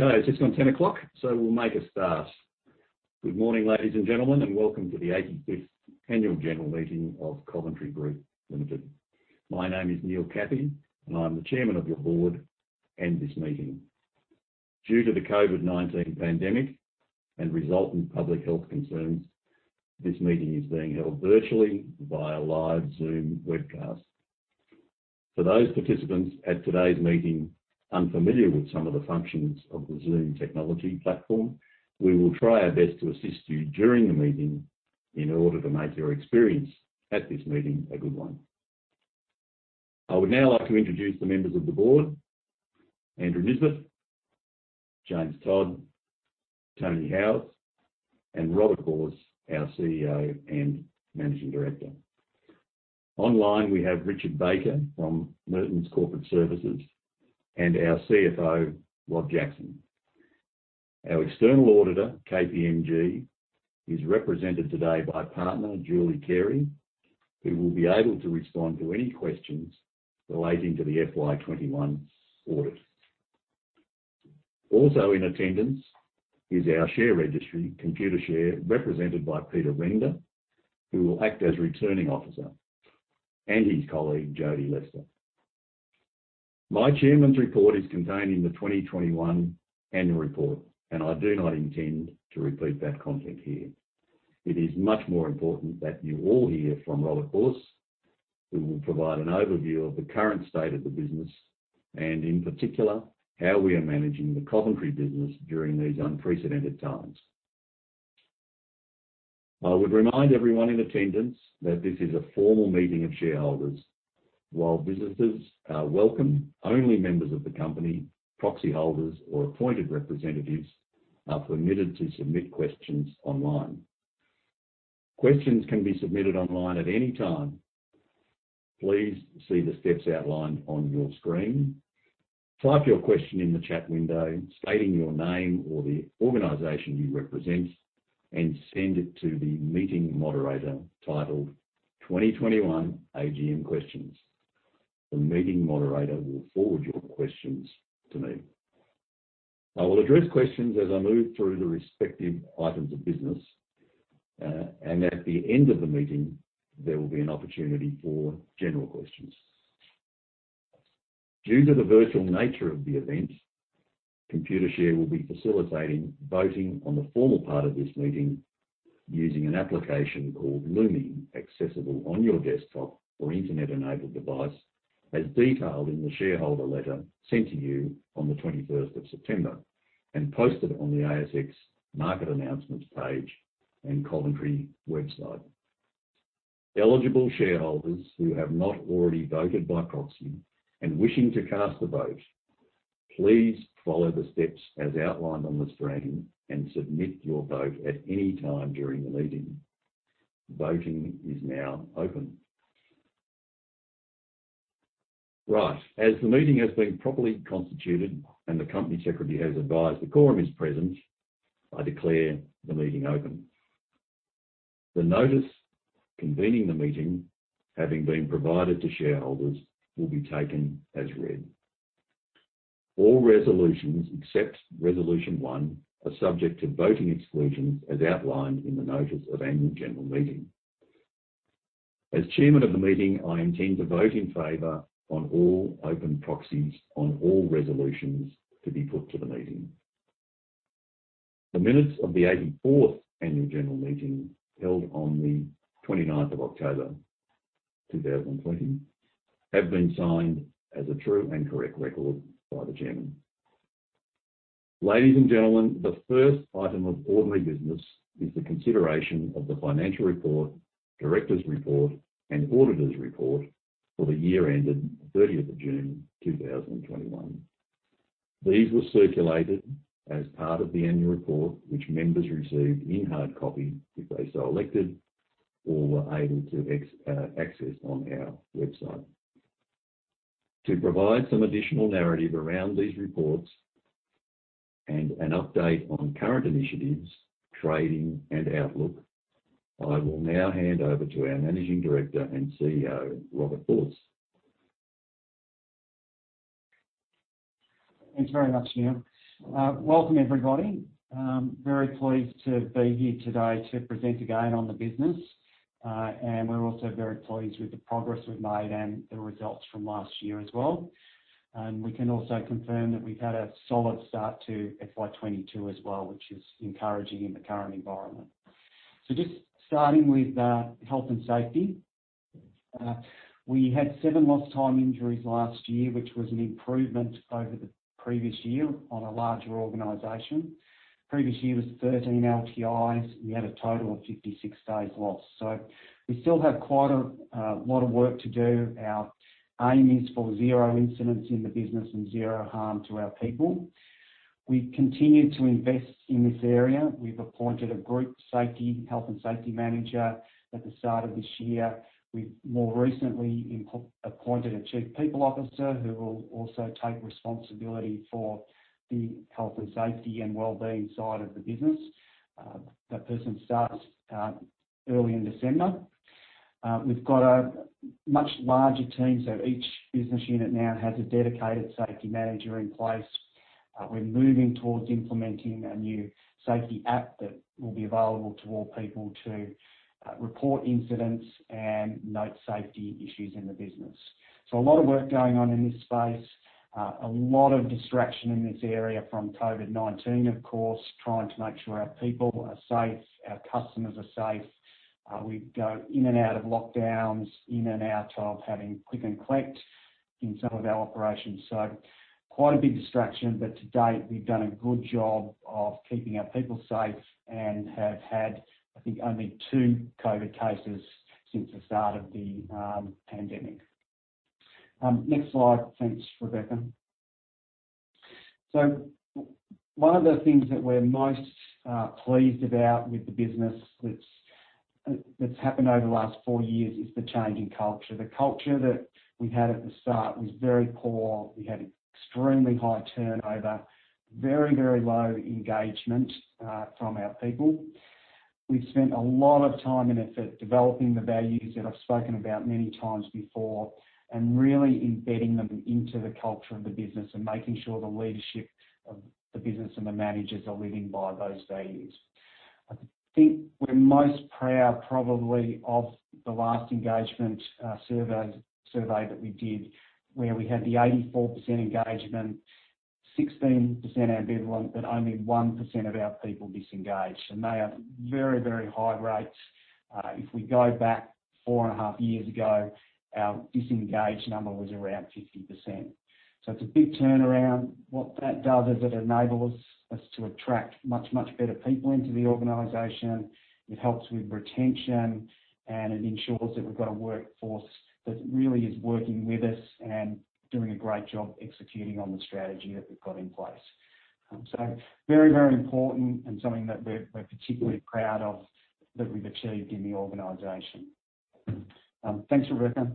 Okay, it's just gone 10:00, we'll make a start. Good morning, ladies and gentlemen, welcome to the 85th Annual General Meeting of Coventry Group Limited. My name is Neil Cathie, I am the Chairman of your board and this meeting. Due to the COVID-19 pandemic and resultant public health concerns, this meeting is being held virtually via live Zoom webcast. For those participants at today's meeting unfamiliar with some of the functions of the Zoom technology platform, we will try our best to assist you during the meeting in order to make your experience at this meeting a good one. I would now like to introduce the members of the board, Andrew Nisbet, James Todd, Tony Howarth, and Robert Bulluss, our CEO and Managing Director. Online, we have Richard Baker from Mertons Corporate Services and our CFO, Rod Jackson. Our external auditor, KPMG, is represented today by Partner Julie Carey, who will be able to respond to any questions relating to the FY 2021 audit. Also in attendance is our share registry, Computershare, represented by Peter Rinder, who will act as returning officer, and his colleague, Jody Lester. My chairman's report is contained in the 2021 annual report, and I do not intend to repeat that content here. It is much more important that you all hear from Robert Bulluss, who will provide an overview of the current state of the business and, in particular, how we are managing the Coventry business during these unprecedented times. I would remind everyone in attendance that this is a formal meeting of shareholders. While visitors are welcome, only members of the company, proxy holders, or appointed representatives are permitted to submit questions online. Questions can be submitted online at any time. Please see the steps outlined on your screen. Type your question in the chat window, stating your name or the organization you represent, and send it to the meeting moderator titled 2021 AGM Questions. The meeting moderator will forward your questions to me. I will address questions as I move through the respective items of business. At the end of the meeting, there will be an opportunity for general questions. Due to the virtual nature of the event, Computershare will be facilitating voting on the formal part of this meeting using an application called Lumi, accessible on your desktop or Internet-enabled device, as detailed in the shareholder letter sent to you on the 21st of September and posted on the ASX Market Announcements page and Coventry website. Eligible shareholders who have not already voted by proxy and wishing to cast a vote, please follow the steps as outlined on the screen and submit your vote at any time during the meeting. Voting is now open. Right. As the meeting has been properly constituted and the company secretary has advised the quorum is present, I declare the meeting open. The notice convening the meeting, having been provided to shareholders, will be taken as read. All resolutions, except resolution one, are subject to voting exclusions as outlined in the notice of annual general meeting. As chairman of the meeting, I intend to vote in favor on all open proxies on all resolutions to be put to the meeting. The minutes of the 84th annual general meeting held on the 29th of October 2020 have been signed as a true and correct record by the chairman. Ladies and gentlemen, the first item of ordinary business is the consideration of the financial report, directors' report, and auditors' report for the year ended 30th of June 2021. These were circulated as part of the annual report, which members received in hard copy if they so elected or were able to access on our website. To provide some additional narrative around these reports and an update on current initiatives, trading, and outlook, I will now hand over to our Managing Director and CEO, Robert Bulluss. Thanks very much, Neil. Welcome, everybody. Very pleased to be here today to present again on the business. We're also very pleased with the progress we've made and the results from last year as well. We can also confirm that we've had a solid start to FY 2022 as well, which is encouraging in the current environment. Just starting with health and safety. We had seven lost time injuries last year, which was an improvement over the previous year on a larger organization. Previous year was 13 LTIs. We had a total of 56 days lost. We still have quite a lot of work to do. Our aim is for zero incidents in the business and zero harm to our people. We continue to invest in this area. We've appointed a group safety, health and safety manager at the start of this year. We've more recently appointed a Chief People Officer who will also take responsibility for the health and safety and wellbeing side of the business. That person starts early in December. We've got a much larger team. Each business unit now has a dedicated safety manager in place. We're moving towards implementing a new safety app that will be available to all people to report incidents and note safety issues in the business. A lot of work going on in this space. A lot of distraction in this area from COVID-19, of course, trying to make sure our people are safe, our customers are safe. We go in and out of lockdowns, in and out of having click and collect in some of our operations. Quite a big distraction, but to date, we've done a good job of keeping our people safe and have had, I think, only two COVID cases since the start of the pandemic. Next slide. Thanks, Rebecca. One of the things that we're most pleased about with the business that's happened over the last four years is the change in culture. The culture that we had at the start was very poor. We had extremely high turnover, very low engagement from our people. We've spent a lot of time and effort developing the values that I've spoken about many times before and really embedding them into the culture of the business and making sure the leadership of the business and the managers are living by those values. I think we're most proud probably of the last engagement survey that we did, where we had the 84% engagement, 16% ambivalent, but only 1% of our people disengaged. They are very high rates. If we go back four and a half years ago, our disengaged number was around 50%. It's a big turnaround. What that does is it enables us to attract much better people into the organization. It helps with retention, and it ensures that we've got a workforce that really is working with us and doing a great job executing on the strategy that we've got in place. Very important and something that we're particularly proud of that we've achieved in the organization. Thanks, Rebecca.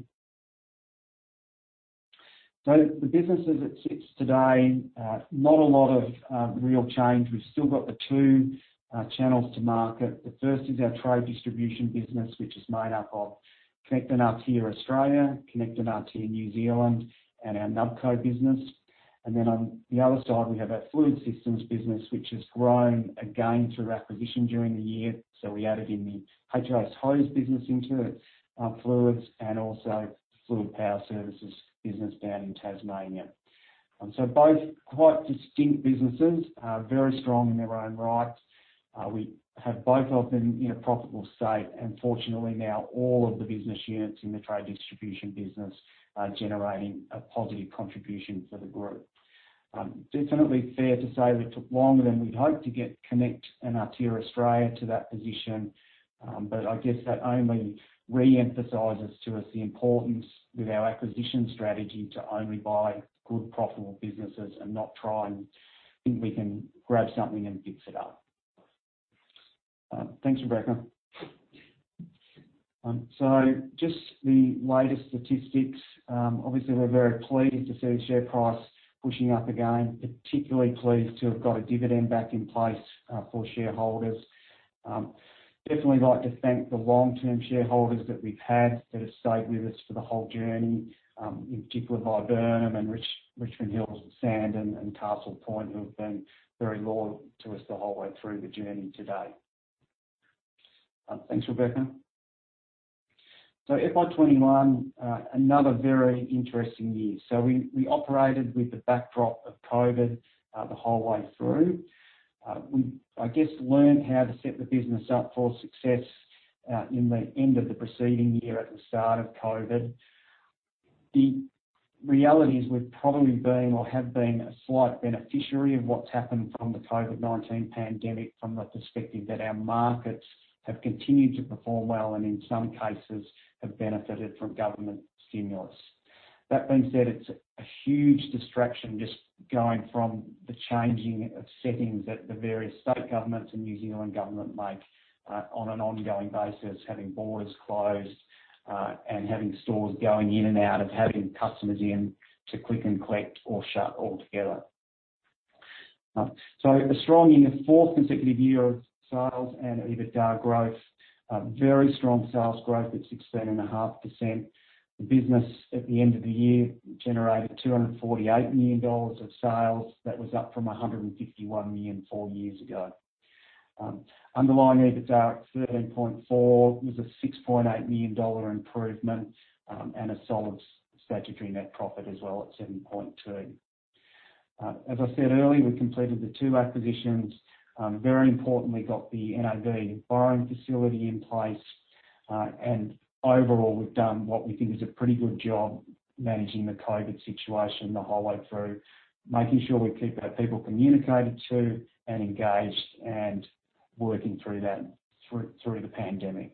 The business as it sits today, not a lot of real change. We've still got the two channels to market. The first is our Trade Distribution business, which is made up of Konnect and RTR Australia, Konnect and RTR New Zealand, and our Nubco business. Then on the other side, we have our Fluid Systems business, which has grown again through acquisition during the year. We added in the H.I.S. Hose business into Fluids and also Fluid Power Services business down in Tasmania. Both quite distinct businesses are very strong in their own right. We have both of them in a profitable state. Fortunately now all of the business units in the Trade Distribution business are generating a positive contribution for the group. Definitely fair to say we took longer than we'd hoped to get Konnect and RTR Australia to that position. I guess that only re-emphasizes to us the importance with our acquisition strategy to only buy good, profitable businesses and not try and think we can grab something and fix it up. Thanks, Rebecca. Just the latest statistics. Obviously, we're very pleased to see the share price pushing up again, particularly pleased to have got a dividend back in place for shareholders. Definitely like to thank the long-term shareholders that we've had that have stayed with us for the whole journey, in particular Viburnum and Richmond Hill and Sandon and Castle Point, who have been very loyal to us the whole way through the journey to date. Thanks, Rebecca. FY 2021, another very interesting year. We operated with the backdrop of COVID the whole way through. We, I guess, learned how to set the business up for success in the end of the preceding year at the start of COVID-19. The reality is we've probably been or have been a slight beneficiary of what's happened from the COVID-19 pandemic from the perspective that our markets have continued to perform well and in some cases have benefited from government stimulus. That being said, it's a huge distraction just going from the changing of settings that the various state governments and New Zealand government make on an ongoing basis, having borders closed and having stores going in and out of having customers in to click and collect or shut altogether. A strong and a 4th consecutive year of sales and EBITDA growth. Very strong sales growth at 16.5%. The business at the end of the year generated 248 million dollars of sales. That was up from 151 million four years ago. Underlying EBITDA at 13.4 was a 6.8 million dollar improvement and a solid statutory net profit as well at 7.2. As I said earlier, we completed the two acquisitions. Very importantly, got the NAB borrowing facility in place. Overall, we've done what we think is a pretty good job managing the COVID situation the whole way through, making sure we keep our people communicated to and engaged and working through the pandemic.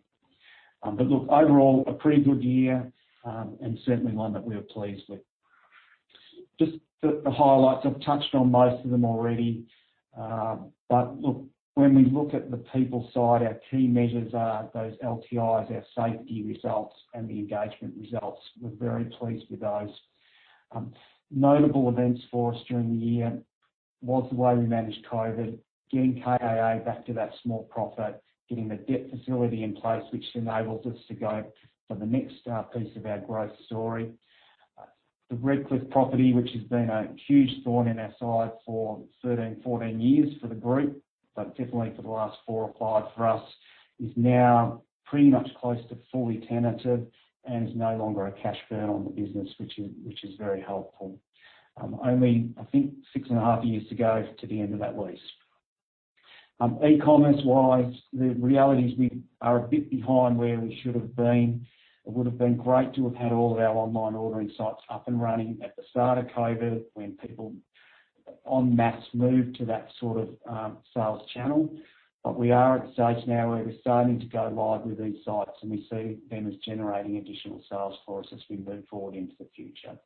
Look, overall, a pretty good year and certainly one that we are pleased with. Just the highlights. I've touched on most of them already. Look, when we look at the people side, our key measures are those LTIs, our safety results, and the engagement results. We're very pleased with those. Notable events for us during the year was the way we managed COVID, getting KAA back to that small profit, getting the debt facility in place, which enables us to go for the next piece of our growth story. The Redcliffe property, which has been a huge thorn in our side for 13, 14 years for the group, but definitely for the last four or five for us, is now pretty much close to fully tenanted and is no longer a cash burn on the business, which is very helpful. Only, I think, 6.5 years to go to the end of that lease. E-commerce-wise, the reality is we are a bit behind where we should've been. It would've been great to have had all of our online ordering sites up and running at the start of COVID, when people en masse moved to that sort of sales channel. We are at the stage now where we're starting to go live with these sites, and we see them as generating additional sales for us as we move forward into the future.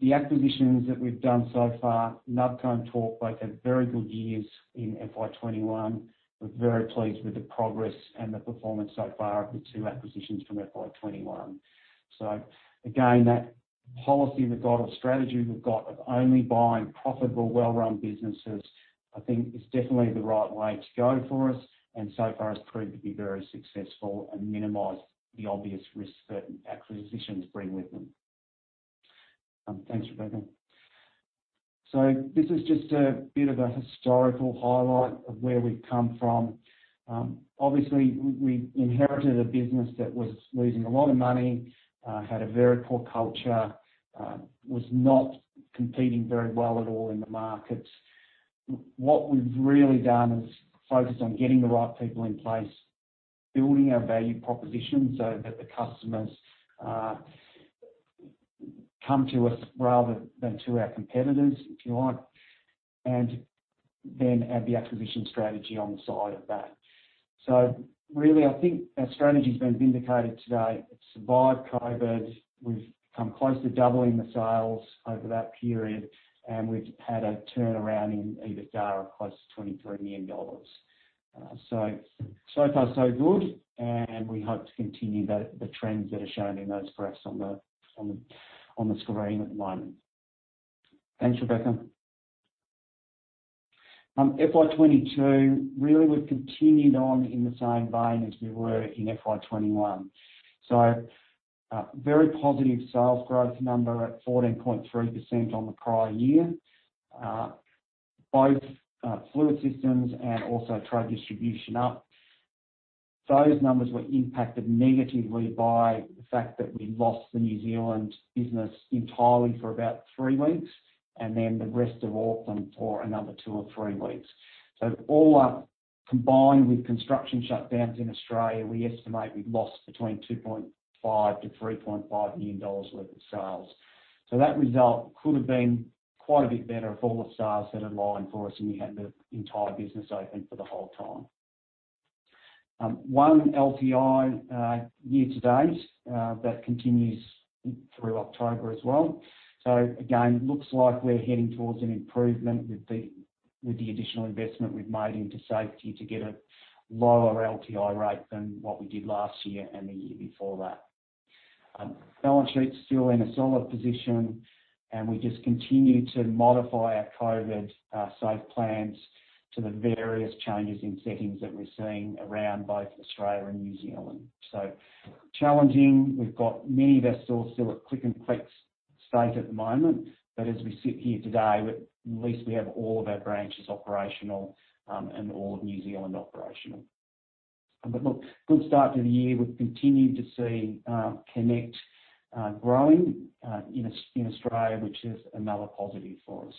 The acquisitions that we've done so far, Nubco and Torque both had very good years in FY 2021. We're very pleased with the progress and the performance so far of the two acquisitions from FY 2021. Again, that policy we've got, or strategy we've got of only buying profitable, well-run businesses, I think is definitely the right way to go for us, and so far has proved to be very successful and minimized the obvious risks that acquisitions bring with them. Thanks, Rebecca. This is just a bit of a historical highlight of where we've come from. Obviously, we inherited a business that was losing a lot of money, had a very poor culture, was not competing very well at all in the markets. What we've really done is focused on getting the right people in place, building our value proposition so that the customers come to us rather than to our competitors, if you like. Add the acquisition strategy on the side of that. I think our strategy's been vindicated today. It survived COVID-19. We've come close to doubling the sales over that period, and we've had a turnaround in EBITDA of close to 23 million dollars. Far so good, and we hope to continue the trends that are shown in those graphs on the screen at the moment. Thanks, Rebecca. FY 2022, really we've continued on in the same vein as we were in FY 2021. Very positive sales growth number at 14.3% on the prior year. Both Fluid Systems and also Trade Distribution up. Those numbers were impacted negatively by the fact that we lost the New Zealand business entirely for about three weeks, and then the rest of Auckland for another two or three weeks. All up, combined with construction shutdowns in Australia, we estimate we lost between 2.5 million-3.5 million dollars worth of sales. That result could've been quite a bit better if all the stars had aligned for us and we had the entire business open for the whole time. One LTI year to date. That continues through October as well. Again, looks like we're heading towards an improvement with the additional investment we've made into safety to get a lower LTI rate than what we did last year and the year before that. Balance sheet's still in a solid position, and we just continue to modify our COVID-safe plans to the various changes in settings that we're seeing around both Australia and New Zealand. Challenging. We've got many branches still at click and collect state at the moment. As we sit here today, at least we have all of our branches operational, and all of New Zealand operational. Look, good start to the year. We've continued to see Konnect growing in Australia, which is another positive for us.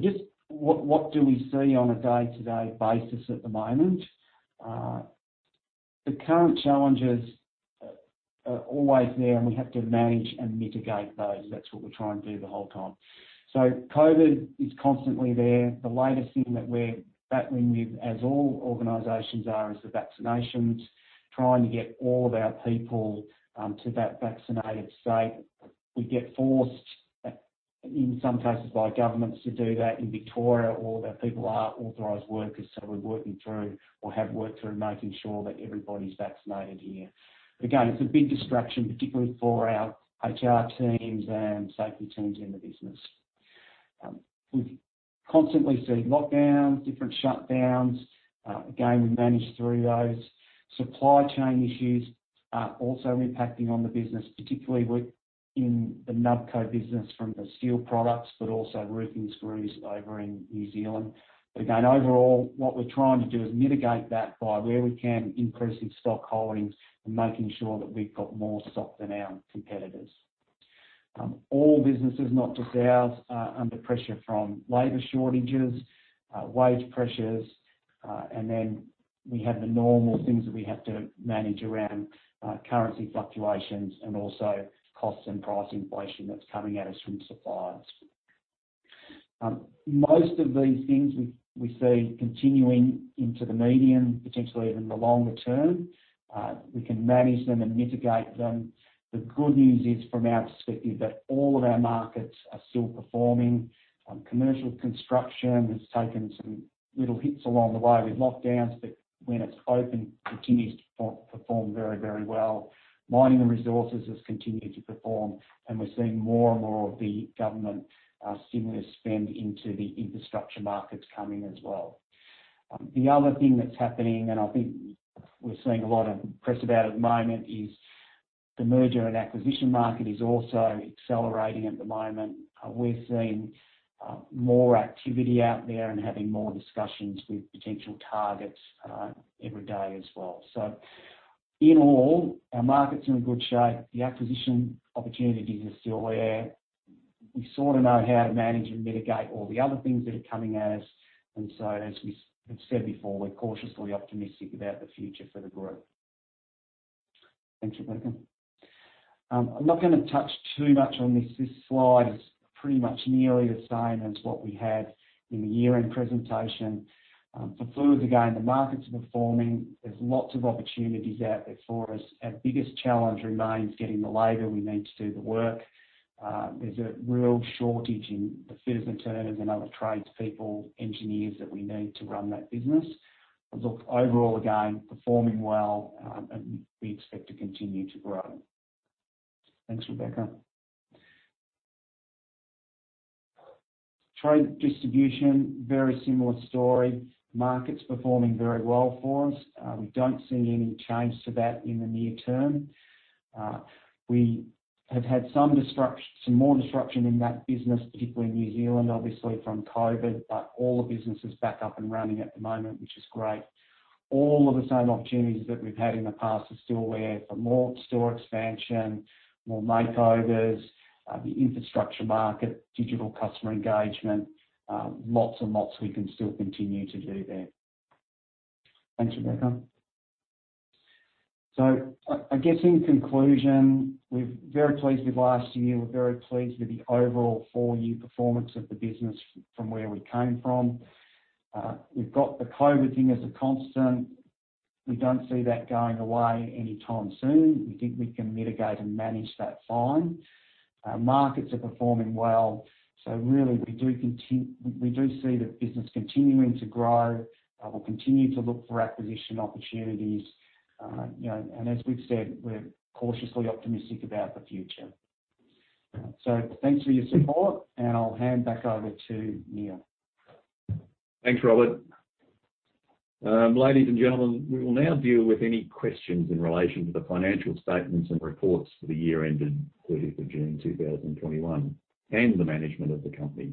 Just what do we see on a day-to-day basis at the moment? The current challenges are always there, and we have to manage and mitigate those. That's what we try and do the whole time. COVID is constantly there. The latest thing that we're battling with, as all organizations are, is the vaccinations, trying to get all of our people to that vaccinated state. We get forced, in some cases, by governments to do that. In Victoria, all of our people are authorized workers, so we're working through, or have worked through making sure that everybody's vaccinated here. Again, it's a big distraction, particularly for our HR teams and safety teams in the business. We constantly see lockdowns, different shutdowns. Again, we manage through those. Supply chain issues are also impacting on the business, particularly in the Nubco business from the steel products, but also roofing screws over in New Zealand. Again, overall, what we're trying to do is mitigate that by where we can increasing stock holdings and making sure that we've got more stock than our competitors. All businesses, not just ours, are under pressure from labor shortages, wage pressures, then we have the normal things that we have to manage around currency fluctuations and also cost and price inflation that's coming at us from suppliers. Most of these things we see continuing into the medium, potentially even the longer term. We can manage them and mitigate them. The good news is from our perspective, that all of our markets are still performing. Commercial construction has taken some little hits along the way with lockdowns, when it's open, continues to perform very, very well. Mining and resources has continued to perform, and we're seeing more and more of the government stimulus spend into the infrastructure markets coming as well. The other thing that's happening, and I think we're seeing a lot of press about at the moment. The merger and acquisition market is also accelerating at the moment. We're seeing more activity out there and having more discussions with potential targets every day as well. In all, our market's in good shape. The acquisition opportunities are still there. We sort of know how to manage and mitigate all the other things that are coming at us. As we have said before, we're cautiously optimistic about the future for the group. Thank you, Rebecca. I'm not going to touch too much on this. This slide is pretty much nearly the same as what we had in the year-end presentation. For fluids, again, the market's performing. There's lots of opportunities out there for us. Our biggest challenge remains getting the labor we need to do the work. There's a real shortage in the fitters and turners and other tradespeople, engineers that we need to run that business. Look, overall, again, performing well, and we expect to continue to grow. Thanks, Rebecca. Trade Distribution, very similar story. Market's performing very well for us. We don't see any change to that in the near term. We have had some more disruption in that business, particularly in New Zealand, obviously, from COVID-19, but all the business is back up and running at the moment, which is great. All of the same opportunities that we've had in the past are still there for more store expansion, more makeovers, the infrastructure market, digital customer engagement. Lots and lots we can still continue to do there. Thanks, Rebecca. I guess in conclusion, we're very pleased with last year. We're very pleased with the overall four-year performance of the business from where we came from. We've got the COVID-19 thing as a constant. We don't see that going away anytime soon. We think we can mitigate and manage that fine. Markets are performing well. Really, we do see the business continuing to grow. We'll continue to look for acquisition opportunities. As we've said, we're cautiously optimistic about the future. Thanks for your support, and I'll hand back over to Neil. Thanks, Robert. Ladies and gentlemen, we will now deal with any questions in relation to the financial statements and reports for the year ended 30th of June, 2021, and the management of the company.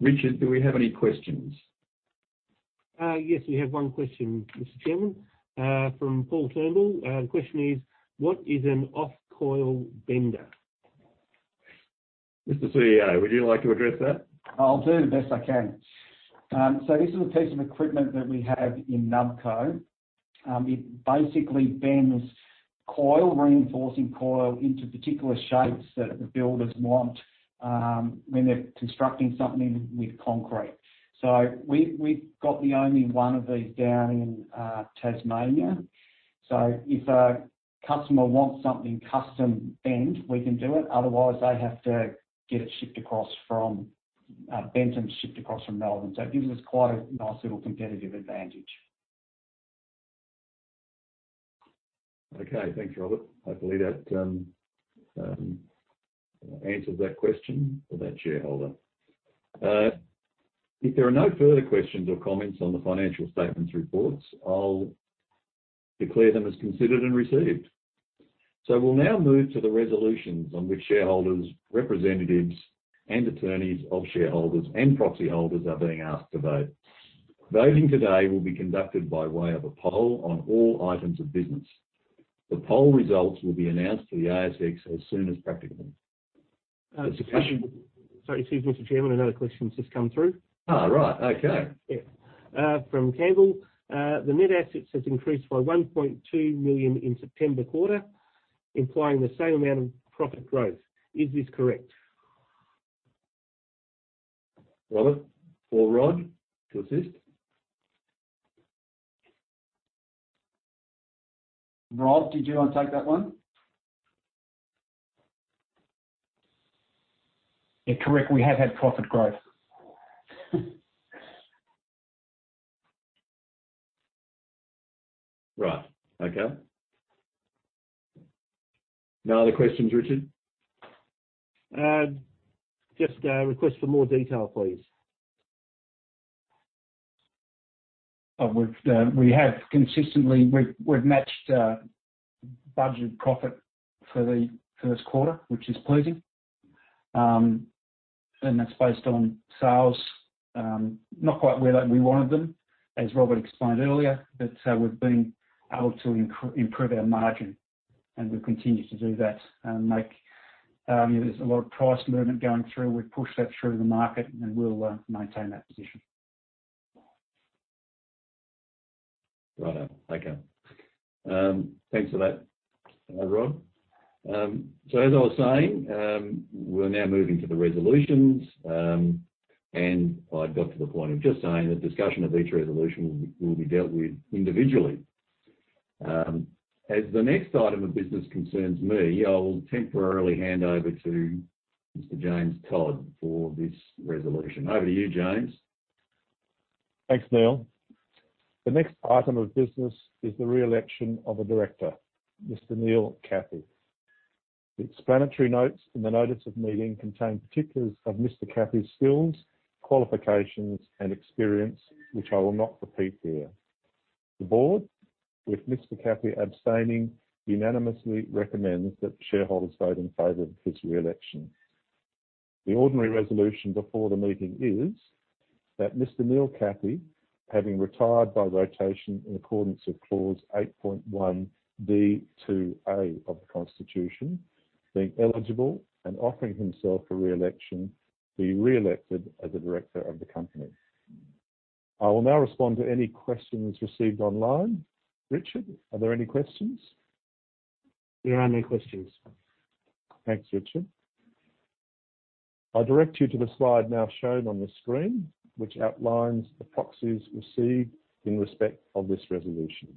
Richard, do we have any questions? Yes, we have one question, Mr. Chairman from Paul Turnbull. Question is, "What is an off-coil bender? Mr. CEO, would you like to address that? I'll do the best I can. This is a piece of equipment that we have in Nubco. It basically bends coil, reinforcing coil into particular shapes that the builders want when they're constructing something with concrete. We've got the only one of these down in Tasmania. If a customer wants something custom bent, we can do it. Otherwise, they have to get it bent and shipped across from Melbourne. It gives us quite a nice little competitive advantage. Okay. Thanks, Robert. Hopefully that answers that question for that shareholder. If there are no further questions or comments on the financial statements reports, I'll declare them as considered and received. We'll now move to the resolutions on which shareholders, representatives and attorneys of shareholders and proxy holders are being asked to vote. Voting today will be conducted by way of a poll on all items of business. The poll results will be announced to the ASX as soon as practicable. Sorry. Excuse me, Mr. Chairman, another question's just come through. Right. Okay. Yeah. From Campbell, "The net assets has increased by 1.2 million in September quarter, implying the same amount of profit growth. Is this correct? Robert or Rod to assist? Rod, did you want to take that one? Yeah. Correct. We have had profit growth. Right. Okay. No other questions, Richard? Just a request for more detail, please. We have consistently, we've matched budget profit for the first quarter, which is pleasing. That's based on sales, not quite where we wanted them, as Robert explained earlier. We've been able to improve our margin, and we'll continue to do that. There's a lot of price movement going through. We've pushed that through the market, and we'll maintain that position. Right. Okay. Thanks for that, Rod. As I was saying, we're now moving to the resolutions. I'd got to the point of just saying that discussion of each resolution will be dealt with individually. As the next item of business concerns me, I will temporarily hand over to Mr. James Todd for this resolution. Over to you, James. Thanks, Neil. The next item of business is the re-election of a director, Mr. Neil Cathie. The explanatory notes in the notice of meeting contain particulars of Mr. Cathie's skills, qualifications, and experience, which I will not repeat here. The board, with Mr. Cathie abstaining, unanimously recommends that shareholders vote in favor of his reelection. The ordinary resolution before the meeting is that Mr. Neil Cathie, having retired by rotation in accordance with Clause 8.1(b)(2)(a) of the Constitution, being eligible and offering himself for reelection, be reelected as a director of the company. I will now respond to any questions received online. Richard, are there any questions? There are no questions. Thanks, Richard. I direct you to the slide now shown on the screen, which outlines the proxies received in respect of this resolution.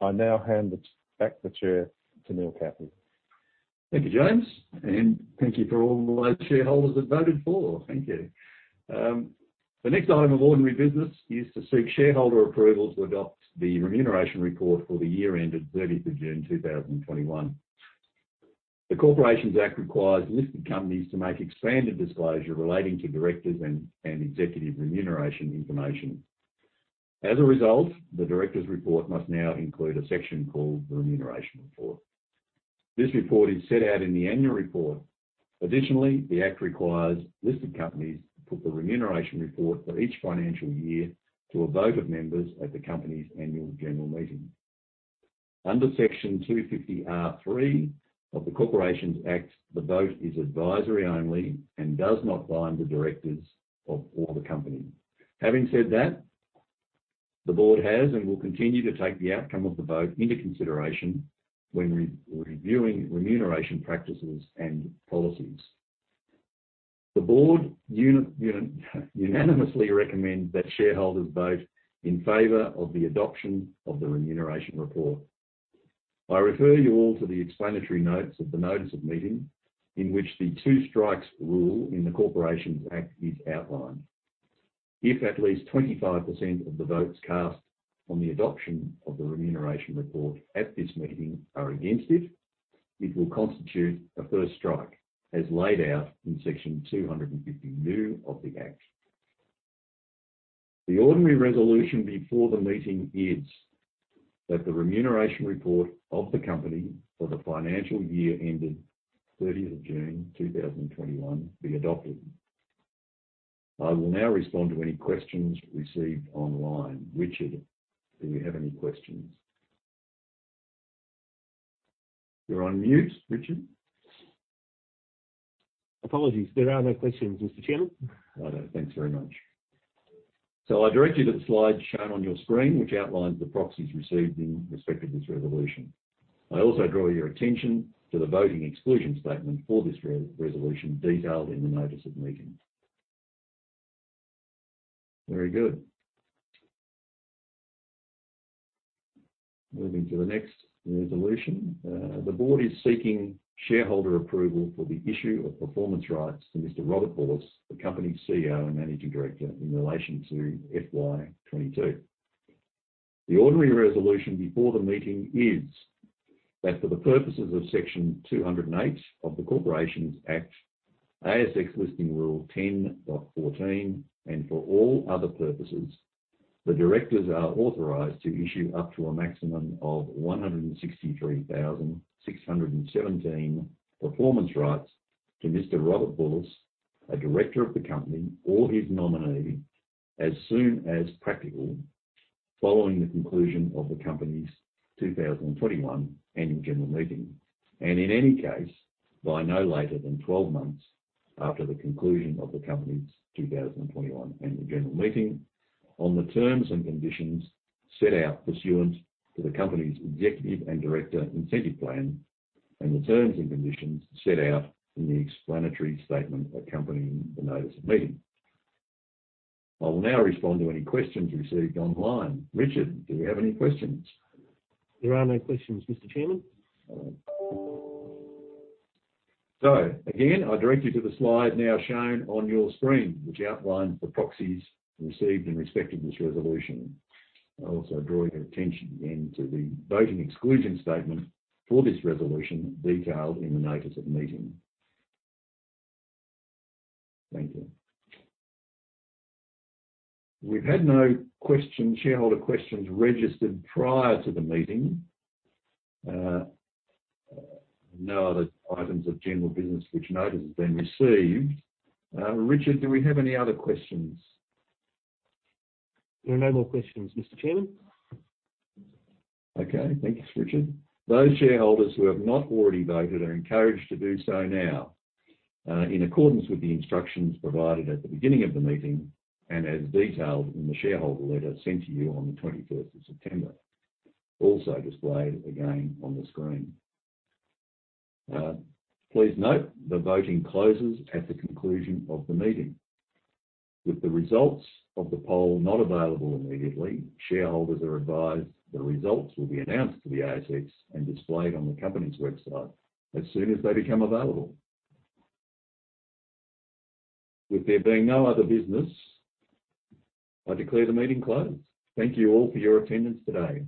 I now hand back the chair to Neil Cathie. Thank you, James. Thank you for all those shareholders that voted for. Thank you. The next item of ordinary business is to seek shareholder approval to adopt the Remuneration Report for the year ended 30th of June 2021. The Corporations Act requires listed companies to make expanded disclosure relating to directors and executive remuneration information. As a result, the directors' report must now include a section called the Remuneration Report. This report is set out in the annual report. Additionally, the Act requires listed companies to put the Remuneration Report for each financial year to a vote of members at the company's annual general meeting. Under Section 250R(3) of the Corporations Act, the vote is advisory only and does not bind the directors of or the company. Having said that, the board has and will continue to take the outcome of the vote into consideration when reviewing remuneration practices and policies. The board unanimously recommends that shareholders vote in favor of the adoption of the remuneration report. I refer you all to the explanatory notes of the notice of meeting in which the two strikes rule in the Corporations Act is outlined. If at least 25% of the votes cast on the adoption of the remuneration report at this meeting are against it will constitute a first strike, as laid out in Section 252 of the act. The ordinary resolution before the meeting is that the remuneration report of the company for the financial year ended 30th of June 2021 be adopted. I will now respond to any questions received online. Richard, do we have any questions? You're on mute, Richard. Apologies. There are no questions, Mr. Chairman. Right. Thanks very much. I direct you to the slide shown on your screen, which outlines the proxies received in respect of this resolution. I also draw your attention to the voting exclusion statement for this resolution, detailed in the notice of meeting. Very good. Moving to the next resolution. The board is seeking shareholder approval for the issue of performance rights to Mr. Robert Bulluss, the company's CEO and Managing Director, in relation to FY 2022. The ordinary resolution before the meeting is that for the purposes of Section 208 of the Corporations Act, ASX Listing Rule 10.14, and for all other purposes, the directors are authorized to issue up to a maximum of 163,617 performance rights to Mr. Robert Bulluss, a director of the company or his nominee, as soon as practical, following the conclusion of the company's 2021 annual general meeting. In any case, by no later than 12 months after the conclusion of the company's 2021 annual general meeting on the terms and conditions set out pursuant to the company's executive and director incentive plan and the terms and conditions set out in the explanatory statement accompanying the notice of meeting. I will now respond to any questions received online. Richard, do we have any questions? There are no questions, Mr. Chairman. Right. Again, I direct you to the slide now shown on your screen, which outlines the proxies received in respect of this resolution. I also draw your attention again to the voting exclusion statement for this resolution, detailed in the notice of meeting. Thank you. We've had no shareholder questions registered prior to the meeting. No other items of general business for which notice has been received. Richard, do we have any other questions? There are no more questions, Mr. Chairman. Okay. Thanks, Richard. Those shareholders who have not already voted are encouraged to do so now, in accordance with the instructions provided at the beginning of the meeting and as detailed in the shareholder letter sent to you on the 21st of September, also displayed again on the screen. Please note the voting closes at the conclusion of the meeting. With the results of the poll not available immediately, shareholders are advised the results will be announced to the ASX and displayed on the company's website as soon as they become available. With there being no other business, I declare the meeting closed. Thank you all for your attendance today.